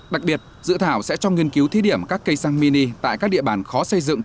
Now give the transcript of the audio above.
đặc biệt dự thảo sẽ cho nghiên cứu thí điểm các cây xăng mini tại các địa bàn khó xây dựng